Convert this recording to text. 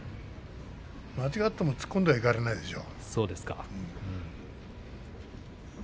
間違えても突っ込んではいけないでしょう。